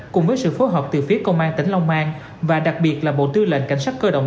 cùng với sự phối hợp từ phía công an tỉnh long an và đặc biệt là bộ tư lệnh cảnh sát cơ động